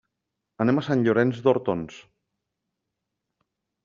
Anem a Sant Llorenç d'Hortons.